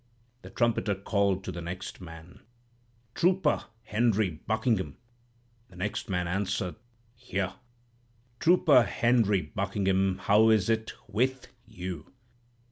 "The trumpeter called to the next man, 'Trooper Henry Buckingham,' and the next man answered, 'Here.' "'Trooper Henry Buckingham, how is it With you?'